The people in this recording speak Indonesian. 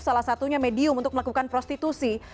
salah satunya medium untuk melakukan prostitusi